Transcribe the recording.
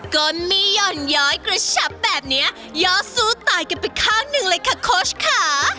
ก็มีหย่อนย้อยกระชับแบบนี้ย่อสู้ตายกันไปข้างหนึ่งเลยค่ะโค้ชค่ะ